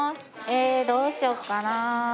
ええどうしようかな？